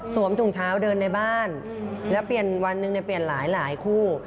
ถุงเท้าเดินในบ้านแล้วเปลี่ยนวันหนึ่งเปลี่ยนหลายคู่